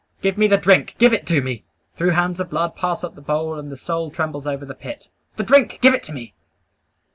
"Give me the drink! Give it to me! Though hands of blood pass up the bowl, and the soul trembles over the pit, the drink! give it to me!